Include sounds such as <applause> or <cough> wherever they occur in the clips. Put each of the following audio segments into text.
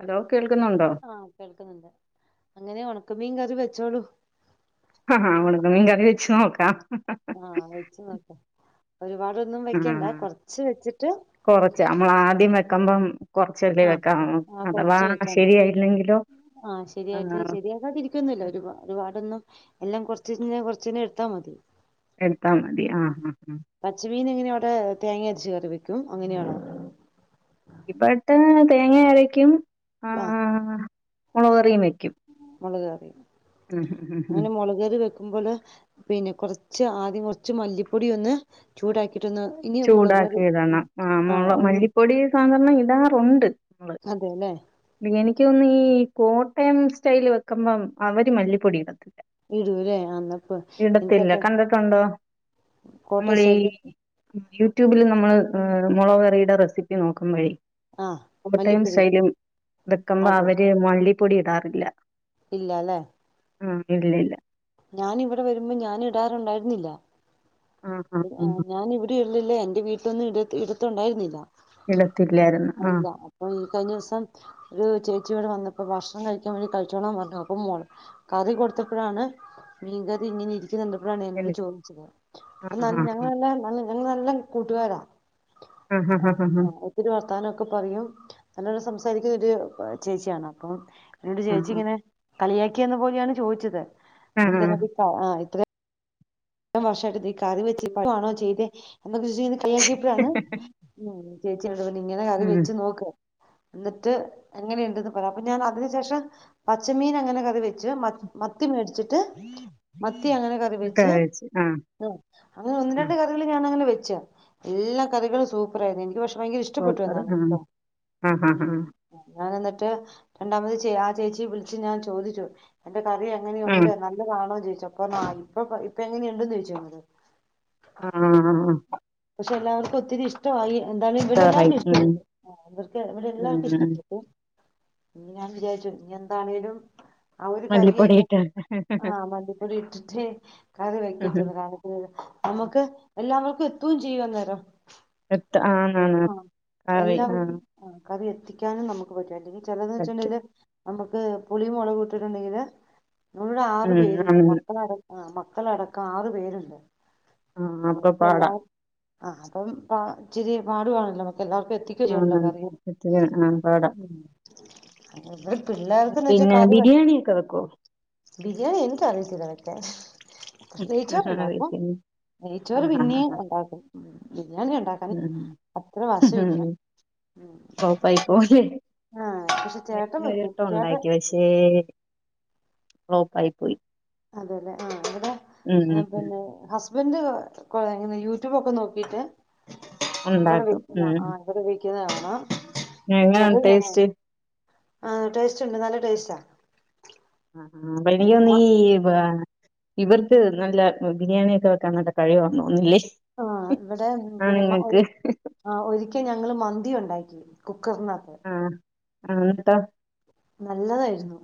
Hello കേൾക്കുന്നുണ്ടോ ആഹ് കേൾക്കുന്നുണ്ട് അങ്ങനെയ ഉണ ക്ക മീൻകറി വെച്ചോളു ആഹ് ഹ ഉണക്കമീൻ കറി വെച്ച് നോക്കാം ആഹ് വെച്ച് നോക്കാം ഒരുപാടൊന്നും ആ വെക്കണ്ട കൊറച്ച് വെച്ചിട്ട് കൊറച്ച് നമ്മൾ ആദ്യം വെക്കുമ്പം കൊറച്ചല്ലേ ആഹ് വെക്കാം ആഹ് അഥവാ കൊറച്ച് വെക്കാം ശരിയായില്ലെങ്കിലോ ആഹ് ആ ശരിയായിട്ട് ശരിയാക്കാതിരിക്കൊന്നില്ല ഒരു ഒരുപാടൊന്നും എല്ലാം കൊറച്ചിനെ കൊറച്ചിനെ എടുത്താ മതി എടുത്താ മതി ആഹ് ആഹ് ആഹ് മീൻ എങ്ങനെയാ അവിടെ തേങ്ങ അരച്ച് കറി വെക്കൊ അങ്ങനെയാണോ ഇപ്പഴത്തെ തേങ്ങ അരക്കും ആഹ് ഹ ഹ മുളക് കറിയും വെക്കും മുളക് കറിയും മ്മ് മ്മ് മ്മ് പിന്നെ കുറച്ച് ആദ്യം കുറച്ച് മല്ലിപ്പൊടി ഒന്ന് ചൂടാക്കി ചൂടാക്കി ഇടണം ആ ആഹ് മുളക് ഒന്ന് മല്ലിപ്പൊടി സാധാരണ ഇടാറുണ്ട് നമ്മള് അതെല്ലേ എനിക്ക് എനിക്ക് തോന്ന് ഈ കോട്ടയം സ്റ്റൈല് വെക്കുമ്പം അവര് മല്ലിപ്പൊടി ഇടത്തി ഇടുല്ലേ അന്നപ്പ എനിക്ക് കണ്ടിട്ടുണ്ടോ കോട്ടയം സ്റ്റൈലില് യൂട്യൂബിൽ നമ്മൾ മുളക് കറിയുടെ റെസിപ്പി നോക്കുമ്പോഴെ ആഹ് കോട്ടയം വല്ലിക്കുഴി സ്റ്റൈല് വെക്കുമ്പോ അവര് മല്ലി പ്പൊടി ഇടാറില്ല ഇല്ലാല്ലേ ആഹ് ഇല്ലില്ല ഞാനിവിടെ വരുമ്പോൾ ഞാന് ഇടാറുണ്ടായിരുന്നില്ല ആഹ് ആഹ് ആഹ് ഞാന് ഇവിടെ ല്ലേ എന്റെ വീട്ടിലൊന്നും ഇടത്തുണ്ടായിരുന്നില്ല ഇടത്തില്ലായിരുന്നു ആഹ് അല്ല അപ്പൊ ഈ കഴിഞ്ഞ ദിവസം ഒരു ചേച്ചി ഇവിടെ വന്നപ്പ ഭക്ഷണം കഴിക്കാൻ വേണ്ടി കഴിച്ചോളൻ പറഞ്ഞു കറി കൊടുത്തപ്പോഴാണ് മീൻകറി ഇങ്ങനെ ഇരിക ന്ന കണ്ടപ്പോഴാണ് എന്നോട് എനി ചോദിച്ചത് ആഹ് എന്നാലും ആഹ് ഞങ്ങളെല്ലാരും നല്ല നല്ല കൂട്ടുകാരാ ആഹ് ആഹ് ഒത്തിരി വർത്താനമൊക്കെ പറയും നല്ലോലം സംസാരിക്കുന്ന ഒരു ചേച്ചിയാണ് അപ്പം എന്നോട് ചേച്ചി ഇങ്ങനെ കളിയാക്കിയന്ന് പോലെയാണ് ചോദിച്ചത് ആഹ് ആഹ് ആഹ് നിനക്കെന്ത ആ ഇത്ര ഇത്രേം വർഷായിട്ട് നീ കറിവെച്ച് പഠിക്കുവാണോ ചെയ്തെ <unintelligible> കളിയാക്കിയപ്പഴാണ് ഉം ചേച്ചി നിങ്ങനെ കറി ഉം വെച്ച് നോക്ക്‌ എന്നിട്ട് എങ്ങനെയുണ്ടന്ന് പറയാം അപ്പൊ ഞാൻ അതിനു ശേഷം പച്ചമീൻ അങ്ങനെ കറി വെച്ച് മ മത്തി മേടിച്ചിട്ട് മ ത്തി അങ്ങനെ കറി വെച്ച് കഴിച്ച് ആഹ് ആ അങ്ങനെ ഒന്ന് രണ്ട് ആഹ് കഥകൾ ഞാൻ <unintelligible> വെച്ചാ എല്ലാ കറികളും സൂപ്പർ ആയിരുന്നു എനിക്ക് പക്ഷെ ഭയങ്കര ഇഷ്ടപ്പെട്ടു സൂപ്പർ എന്നാണ് ആഹ് എനിക്കം ആഹ് ആഹ് ഉം ആഹ് ഞാൻ എന്നിട്ട് രണ്ടാമത് ചേ ആ ചേച്ചിയ വിളിച്ച് ഞാൻ ചോദിച്ചു കറി ആഹ് എങ്ങനെയുണ്ട് നല്ലതാണോ ചോയ്ച്ച് ഇപ്പൊന്നായി ഇപ്പപ്പൊ ഇപ്പൊ എങ്ങനെയുണ്ട്ന്ന് ചോദിച്ചോ ഇങ്ങള് ആഹ് ആഹ് ആഹ് പക്ഷെ എല്ലാവർക്കും ഒത്തിരി ഇഷ്ടമായി എന്താണ് ഇവ്ടെ ഇഷ്ടായി എല്ലാർക്കും ഉം ഇഷ്ടപ്പെട്ടു ഇവർക്ക് ഇവിടെ ഉം എല്ലാവർക്കും ഉം ഇഷ്ടപ്പെട്ടു ഇന്ന് ഞാൻ വിചാരിച്ചു ഇഞ്ഞി എന്താണേലും ആ ഒരു കറിയായ്നു മല്ലിപ്പൊടിയിട്ട് ആ മല്ലിപ്പൊടി ഇട്ടിട്ടേ കറി ഉം ഉം വെക്കത്തൊള്ളൂ <unintelligible> നമുക്ക് എല്ലാവർ എത്തും ചെയ്യന്നേരം <unintelligible> ആന്നാ അതെ ആഹ് കവി എത്തിക്കാനും നമുക്ക് പറ്റും അല്ലെങ്കി ചെലത് പറ്റും വെച്ചിണ്ടേല് നമുക്ക് പുളിയും മുളകും ഇട്ടിട്ടുണ്ടെങ്കില് നമ്മള് ആറ് ഉം പേര്ണ്ട് ആന്ന് മക്കളാര ആ മക്കളടക്കം ആറ് പേര്ണ്ട് ആഹ് അപ്പൊ നമുക്ക് പാടാ എല്ലാവർ ആഹ് അപ്പം ഇച്ചിരി പാടുവാണല്ലോ എല്ലാർക്കും എത്തിക്ക് ഈ ഇള്ള ആഹ് കറി ഇത്തിരി ആഹ് പാടാ അതെ പിള്ളേർക്ക്ന്ന് വെച്ചാ പിന്നെ കറി ബിരിയാണിയൊക്കെ വെക്കോ ബിരിയാണി എനിക്കറിയത്തില്ല കേട്ടാ നെയ്ച്ചോറ് ഉണ്ടാക്കും വീട്ടില് നെയ്ച്ചോറ് ആഹ് ആഹ് പിന്നെയിം ആഹ് ഉണ്ടാക്കും ബിരിയാണി ഉണ്ടാക്കാന് ോപ്പായി് പോലെ ആഹ് പക്ഷെ ചേട്ടൻ വെക്കും ഞാനൊരട്ടം ചേട്ടൻ ഉണ്ടാക്കി പക്ഷേ കോപ്പായി <unintelligible> ഉം ഏ ഉം പിന്നെ ഹസ് ഹസ്ബന്റ് കൊ യൂടൂബൊക്കെ നോക്കിയിട്ട് ഉണ്ടാക്കും ഉം ക്ക്ന്നാണോ എങ്ങനാണ് ടേസ്റ്റ് ആഹ് ടേസ്റ്റുണ്ട് നല്ല ടേസ്റ്റാ മ- <unintelligible> ഇവർക്ക് നല്ല ബിരിയാണിയൊക്കെ വെക്കാൻ നല്ല കഴിവൊന്നുന്നൂല്ല്യേയ് ആ ഇവടെ പിന്നെ മ ഔ ആ ഒരിക്ക ക്ക ഞങ്ങള് മന്തി ഉണ്ടാക്കി ക്കൊട്ന്നപ്പോ ആ ന്നിട്ടോ നല്ലതായിരുന്നു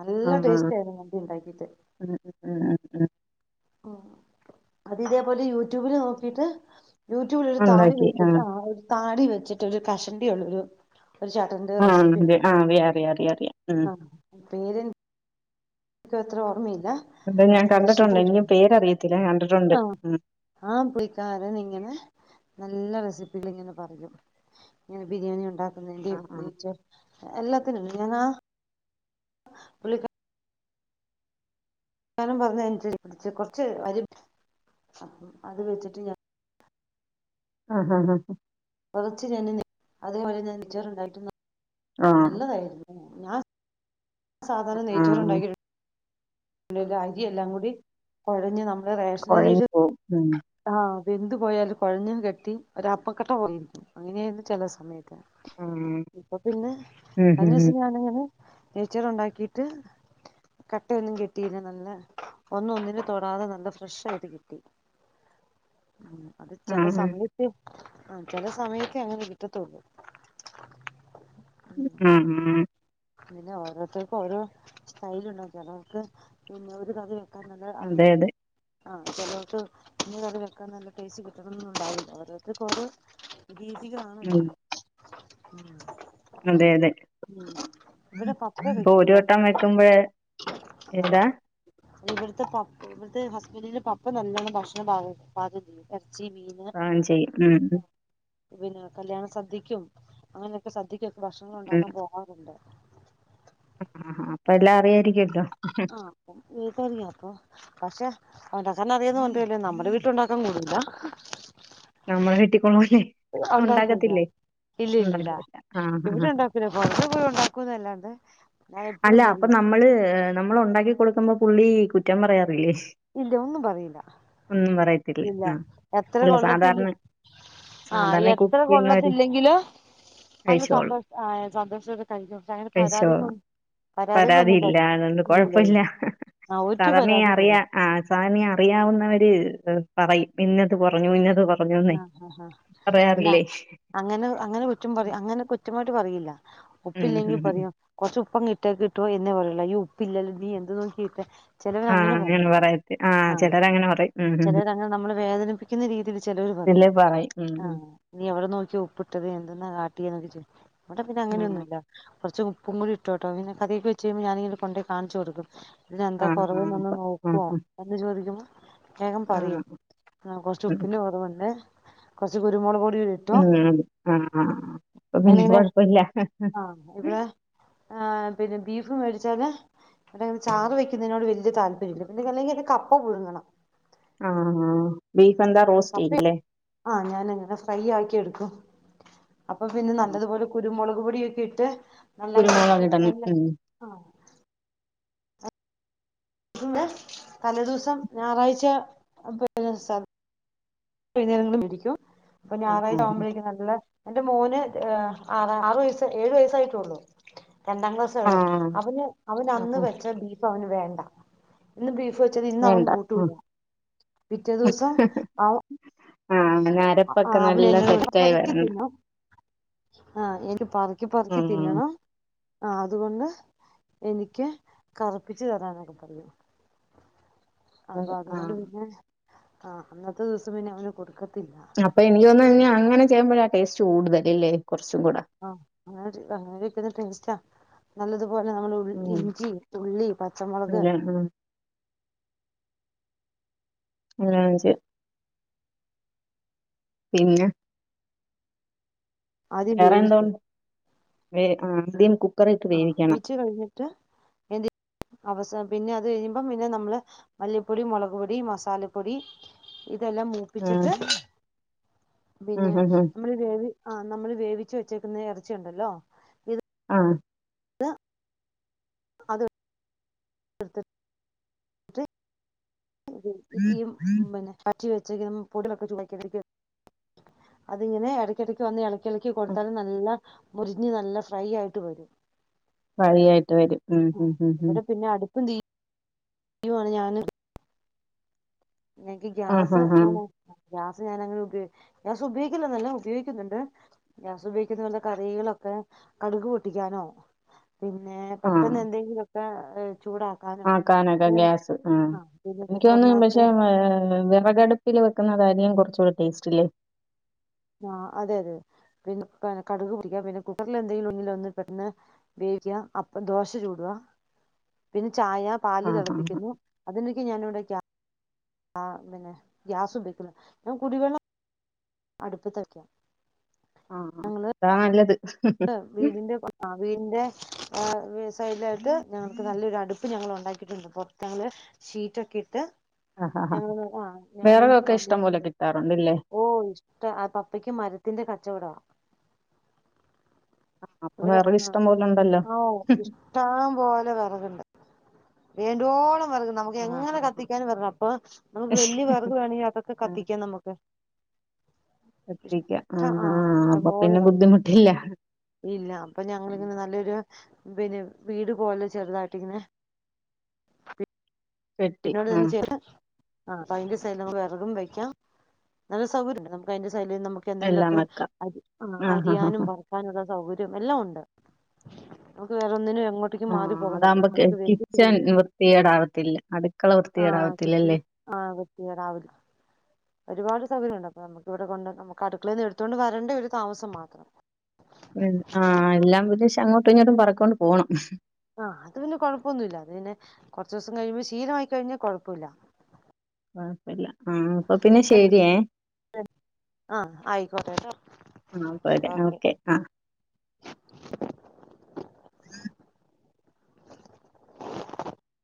നല്ല ആഹ് ആഹ് ടേസ്റ്റ് ആയിരുന്നു മന്തി ഉണ്ടാക്കിട്ട് ഉം ഉം ഉം ഉം. ഉം അത് ഇതേപോലെ യൂടൂബില് നോകീട്ട് യൂട്യൂബില് ഒരു താടി ഉണ്ടാക്കി വെച്ചിട്ട് ആഹ് ആ ഒരു താ ടി വെച്ചിട്ട് ഒരു കഷണ്ടി ഉള്ളൊരു ഒരു ചേട്ടന്റെ ആഹ് റെസിപ്പി അതെ ഉണ്ട് ആഹ് അറിയ അറിയ അറിയ അറിയ ആഹ് ക്കത് ത്രെ ഓർമ്മയി ല്ലാ ഞാൻ കണ്ടിട്ടുണ്ട് ഷിബു എനിക്ക് <unintelligible> പേരറിയത്തില്ല ഞാൻ കണ്ടിട്ടുണ്ട് ആഹ് ഉം. ആ പുൽക്കാരനിങ്ങനെ നല്ല റെസിപ്പിയില്ങ്ങനെ പറയും ങ്ങനെ ബിരിയാണി ഉണ്ടാ ആ ക്കുന്നേന്റിം ആ നെയ്ചോർ എല്ലാ ത്തിനും <unintelligible> പുള്ളിക്ക ക്കാരൻ പർഞ്ഞെ അൻസര്‌ച് കൊർച്ച് അരി അത് വെച്ചിട്ട് ഞാ ആഹ് ഹ ഹ ഹാ കൊറച്ച് <unintelligible> അതേപോലെ ഞാൻ നെയ്ചാേറ്ണ്ടായ്ട്ടും ന ആഹ്. നല്ലതായ്ര്ന്നു ഞാ സാധാരണ ആ ആ നെയ്ചോറ്ണ്ടാക്ക്യൊര് ലേകാക്കി എല്ലാം കൂടി കൊഴഞ്ഞ് നം കൊഴഞ്ഞ് പോവും ഉം ആഹ് വെന്ത് പോയാല് കൊഴഞ്ഞും കെട്ടി ഒരാപ്പ്ക്കെട്ടാവോ അങ്ങനേയ്ര്ന്നു ചെല സമെയെ ക്കെ ഉം. ഇപ്പൊ പിന്നെ ഉം ഉം ഉം. കഞ്ഞേസം ഞാനങ്ങനെ നെയ്‌ച്ചോറൊണ്ടാക്കീട്ട് കട്ടയൊന്നും കെട്ടിയീല നല്ല ഒന്നും ഒന്നിനെ തൊടാതെ നല്ല ഫ്രഷായിട്ട് കിട്ടി ഉം അത് ആ ചില സമയത്ത് ആ ചില സമയത്തേ അങ്ങനെ കിട്ടത്തുള്ളൂ ആ ആ ആ. പിന്നെ ഓരോരുത്തർക്കും ഓരോ സ്റ്റൈല ഉണ്ടാക്കിയ നമുക്ക് പിന്നെ ഒരു കഥ ക്ക നല്ല അയമ അതെ അതെ <unintelligible> ആഹ് ചലോട്ത് പിന്നെ കറി വെക്കാൻ നല്ല ടേസ്റ്റ് കിട്ടണൊന്നും ഉണ്ടാവില്ല അവർക്ക് കുറ പീച്ചിക്കണല്ലോ ഉം. ഉം അതെ അതെ ഉം ഇവിടെ പപ്പ ഇപ്പൊ വെക്കും ഒരു ട്ടോ വട്ടം വെക്കുമ്പോഴ ആ ഏതാ ഇവിടുത്തെ പപ്പ ഇവിടുത്തെ ഹസ്ബൻഡില് പപ്പ തന്നതാ ാ വാ <unintelligible> ആ ചെയ്യാ ഉം പിന്നെ കല്യാണം സദ്യക്കും അങ്ങനെയൊക്കെ ഉള്ള സദ്യക്കും ഭക്ഷണം ഉം. ഉണ്ടാക്കാൻ പോകാറുണ്ടോ ആ ആ അപ്പ എല്ലാം അറിയായിരിക്കല്ലോ ആ അപ്പം എനിക്കറിയാം അപ്പൊ പക്ഷെ അവന്റെക്കനെ അറിയുന്നു അല്ലേ നമ്മുടെ വീട്ടിലുണ്ടാക്കാൻ കൂടല നമ്മള ഹിട്ട <unintelligible> ഉണ്ടാക്കൂല ഉണ്ടാക്കത്തില്ലേ ഇല്ല ഇല്ലില്ല ആ ഇവിടെ ഉണ്ടാക്കൂല പുറത്ത് പോയി ഉണ്ടാക്കൂന്നല്ലാണ്ട് ഞാൻ അല്ല എപ്പഴും അപ്പ പറയും നമ്മള് നമ്മൾ ഉണ്ടാക്കി കൊടുക്കുമ്പോ പുള്ളി കുറ്റം പറയാറില്ലേ ഇല്ല ഒന്നും പറയില്ലാ ഒന്നും പറയത്തില്ല ഇല്ല ആ എത്ര അല്ല കൊ സാധാരണ ആഹ സാധാരണ കുക്ക് എത്ര ചെയ്യുന്നവര് കൊള്ളത്തില്ലെങ്കിലോ അന്ന് കഴിച്ചോളും സന്തോഷം ആ സന്തോഷമൊക്കെ കഴിക്കും പക്ഷെ അങ്ങനെ കഴിച്ചോളും പരാതികളൊന്നും പരാതികളൊന്നും പരാതിയില്ല പറതി അതുകൊണ്ട് ഇല്ലല്ല കൊഴപ്പല്ല ആഹ ഒ സാധാരണ ഈ പരാതിയും അറിയാ പറയില്ല ആ സാധാരണ ഈ അറിയാവുന്നവര് പറയും ഇന്നത് പറഞ്ഞു ഇന്ന ആഹ ആ ആാ ഇല്ല അങ്ങനെ അങ്ങനെ കുറ്റം പറ അങ്ങനെ കുറ്റമായിട്ട പറയില്ല ഉപ്പ് ഉം ഇില്ലെങ്കിൽ ഉം ഉം പറയും കൊറച്ച് ഉപ്പങ്ക ഇ ഇറ്റ കിട്ടോ എന്ന പറയുള്ളൂ ഈ ഉപ്പ ഇല്ലോ നീ എന്ത് നോക്കിട്ട് ആ ചിലവരങ്ങനെ അങ്ങനെ പറഞ്ഞു പറയത്തി ആ ആഹ ചിലരങ്ങനെ പറയും ഉം ചിലരങ്ങെ നമ്മള് വേദനിപ്പിക്കുന്ന രീതിയിൽ ഇല്ലേ പറയും ഉം ഉ ആഹ് നീ എവിടെ നോക്കിയോ ഒപ്പിട്ടത് എന്തന്നാ കാട്ടിയെന്നൊക്കെ വടെ പിന്നെ ഉം ഉം അങ്ങനെയൊന്നുല്ല കുറച്ച് ഉപ്പുംകൂടി ഇട്ടോട്ടോ പിന്നെ കറിയൊക്കെ വച്ച് കഴിയുമ്പോ ഞാനിങ്ങനെ കൊണ്ട്‌ പോയി കാണിച്ചു കൊടുക്കും ഇതിനെന്താ ആ ആ കൊറവ്ന്നൊന്ന് അപ്പ ആ നോക്കോ എന്ന് ചോദിക്കുമ്പോ വേഗം ആ പറയോ ആഹ് കൊറ്ച്ചു ഉം പിന്നെ ഓറ്മണ്ടേ കൊറ്ച്ച് കുരുമൊളൊക് ഉം ആഹ് ആഹ് അപ്പ പിന്ന അങ്ങനെങ്ങനെ കൊഴപ്പില്ല ആ ഇവിടെ ആ പിന്നെ ബീഫും മേടിച്ചാല് ചാറ് വെക്കുന്നതിനോട് വല്യ താല്പര്യല്ല പിന്നെ അല്ലെങ്കി <unintelligible> എ കപ്പ പുഴുങ്ങണം ആഹ് ആഹ് ബി കപ്പ ആഹ് ഞാനങ്ങനെ ഫ്രൈ ആക്കി എടുക്കും അപ്പൊ പിന്നെ ആ. നല്ലതുപോലെ കുരുമുളക് ക് പൊടിയൊക്കെ ഇട്ട് നല്ല കുരുമുളകിടണം നല്ല ഉം ആഹ് തലേ ദിവസം ഞായറാഴ്ച <unintelligible> വൈകുന്നേരങ്ങളും ഇരിക്കും അപ്പൊ ആ ഞായറായി ആ ആകുമ്പഴേക്കും നല്ല എന്റെ മോന് ആ ആറ് വയസ് ഏഴു വയസ്സായിട്ടൊള്ളു രണ്ടാം ക്ലാസ് ആ വരെ ആ. അവന് അവന് ആ ആ അന്ന് വെച്ച ബീ അവന് വേണ്ട എന്ന് ബീഫ് വെച്ചത് ഇന്നവൻ വേണ്ട ഉം കൂട്ടല പിറ്റേ ദിവസം അ ആഹ് ആ അവന എന്നോ പറക്കി തിന്ന ആഹ് എനക്ക് പറക്കി പറക്കി ഉം തിന്നണം ആ അതുകൊണ്ട് എനിക്ക് കറപ്പിച്ച് തരാനൊക്കെ പറയും അപ്പൊ ആ അതുകൊണ്ട് പിന്നെ ആഹ് അന്നത്തെ ദിവസം പിന്നെ അവന് കൊടുക്ക അപ്പൊ എനിക്ക് തോന്നുന്നേ ന്നി അങ്ങനെ ചെയ്യുമ്പഴ ടേസ്റ്റ് കൂടുതല് ല്ലേ കുറച്ചും കൂടി ആ അങ്ങനിഷ്ട <unintelligible> ടേസ്റ്റ നല്ലത് അതുപോലെ നമ്മള് ഉം ഇഞ്ചി ഉള്ളി പച്ചമുളക് അല്ല ഉം <unintelligible> പിന്നെ ആദ്യം വേറെ വേവിക്കും എന്തോണ്ട് വെ ആ ദിം ആ വിച്ച് കഴിഞ്ഞിട്ട് എന്ത് അവസം പിന്നെ അത് കഴിയുമ്പം പിന്നെ നമ്മള് മല്ലിപ്പൊടി മുളക് പൊടി മസാലപ്പൊടി ഇതെല്ലാം ഉം മൂപ്പിച്ചിട്ട് ഉം പിന്നെ ഉം ഉം നമ്മൾ വേവി ആ നമ്മള് വേവിച്ച് വെച്ചേക്കുന്ന ഇറച്ചി ഉണ്ടല്ലോ ഇത് ആ അത് എടുത്തിട്ട് <unintelligible> ഇത് ഇ <unintelligible> കൊച്ചി വെച്ചതും പൊടികളൊക്കെ ചുമ <unintelligible> അത് ഇങ്ങനെ ഇടക്കിടക്ക് വന്ന് ളക്കി ഉം. കൊടുത്താലും നല്ല മുരിഞ്ഞ് നല്ല ഫ്രൈ ആയിട്ട് വരും ഫ്രൈയായിട്ട് വരും ഉം ഉം ഉം ഉം ഇവിടെ പിന്നെ അടുപ്പും തീ അയുണ് ഞാന് എനിക്ക് ആ ഹാ ഗ്യാസ് ഹാ ഞാൻ ഗ്യാസ് ഞാൻങ്ങനെ ഉപയോഗ ഗ്യാസ് ഉപയോഗിക്കില്ല ഉപയോഗിക്കുന്നുണ്ട് ഗ്യാസ് ഉപയോഗിക്കുന്ന നല്ല കറികളൊക്കെ കടുക് പൊട്ടിക്കാനോ പിന്നെ പെട്ടെന്ന് എന്തെങ്കി ആ ആ കാനക്ക ഗ്യാസ് ആ ആഹ് പിന്നെ എനിക്ക് തോന്നുന്നു കുക്കറിനകത്ത് <unintelligible> വിറകടുപ്പിൽ വെക്കുന്നതായിരിക്കും കുറച്ചുടെ ടെസ്റ്റ്ല്ലേ ആ അതെ അതെ പിന്നെ കടുക് പൊട്ടിക്കുക പിന്നെ കുക്കറൽ എന്തെങ്കിലും ഉണ്ടെങ്കിൽ ഒന്ന് പെട്ടെന്ന് വേവിക്ക അപ്പ ദോശ ചൂടുക പിന്നെ ചായ ആ പാല് ആ ആ തിളപ്പിക്കുന്നു അതിനൊക്കെ ഞാന ഇവിടെ ആ പിന്നെ ഗ്യാസുപയോഗിക്കുന്നു കുടിവെള്ളം അടുപ്പ് വെക്കാം ആ അതാ നല്ലത് <unintelligible> വീടിന്റെ <unintelligible> വീടിന്റെ ആ വേ സൈഡിലായിട്ട് ഞങ്ങക്ക് നല്ലൊരു അടുപ്പ് ഞങ്ങൾ ഉണ്ടാക്കിട്ടുണ്ട് പൊറത്ത് ഞങ്ങള് ഷീറ്റൊക്കെ ഇട്ട് ആ ആ ഞങ്ങള് ആ ഞാനും വേറെതൊക്കെ ഇഷ്ടം മമ്മിയും പോലെ കിട്ടാ ഓ ഇഷ്ട ആ പപ്പയ്ക്ക് മരത്തിന്റെ ക കച്ചോട ആ അ വിറക് ഇഷ്ടം പോലെണ്ടല്ലോ ഓ വേണ്ടുവോളം വർഗ നമക്ക് എങ്ങനെ കത്തിക്കാനും വണം അപ്പൊ നമുക്ക് വലിയ വർഗ വേണെങ്കിൽ അതൊക്കെ ആഹ് കത്തിക്കാം നമുക്ക് എത്തിക്കാം ഇഷ ആഹ് ആഹ ആഹ് അപ്പൊ ഇഷ്ടംപോലെ പിന്നെ പറ ബുദ്ധിമുട്ടില്ല ഇല്ല അപ്പൊ ഞങ്ങളിങ്ങനെ നല്ലൊരു പിന്നെ വീട് പോല്ലെ ചെറുതായിട്ടിന്നേ പെട്ടി പിന്നോട് തന്നെ ആഹ് ചെയ്യട്ട <unintelligible> ആ അപ്പൊ അതിന്റെ സൈല ന വിറകും വെക്കാം നല്ല സൗകര്യം നമുക്ക് അതി <unintelligible> ശലം നമുക്ക് എല്ലാം എന്തെങ്കിലുമൊക്കെ വെക്കാം അ ആഹ് ആഹ് അരിയാനും ആഹ് വറക്കാനുള്ള സൗകര്യ <unintelligible> എല്ല ഉണ്ട് നക്ക് വേറ <unintelligible> ആഹ അതാകുമ്പോ കിച്ചൺ വൃത്തിയേടാവത്തില്ല അ ആ ക ആ കട്ട രാവില ഒരുപാട് <inaudible> സൗകര്യണ്ട് നമുക്ക് ഇവിടെ കൊണ്ട് നമുക്ക് അടുക്കളൽ നിന്ന് എടുത്തുകൊണ്ട് വരണ്ട ഒരു താമസം മാത്രം ആ് എല്ലാം വിദേശം അങ്ങോട്ടും ഇങ്ങോട്ടും പറക്കോണ്ട് പോണം ആഹ അത് പിന്നെ കൊഴപ്പൊന്നുമില്ല അത് പിന്നെ കുറച്ച ദിവസം കഴിയുമ്പോ ശീലമായിക്കഴിഞ്ഞാൽ കുഴപ്പമില്ല ആപ്പല്ല <unintelligible> ആ അപ്പോ പിന്നെ ശരിയേ ആഹ് ആയിക്കോട്ടെ കേട്ടോ ആ പോരെ ഓക്കെ ആ <unintelligible>